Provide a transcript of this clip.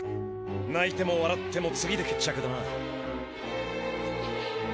ないてもわらっても次で決着だな。